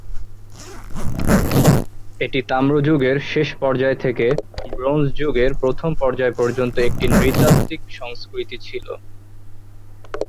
এটি তাম্র যুগের শেষ পর্যায় থেকে ব্রোঞ্জ যুগের প্রথম পর্যায় পর্যন্ত একটি নৃতাত্ত্বিক সংস্কৃতি ছিল।